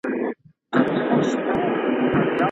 دوبي کي باران ډېر نه ورېږي.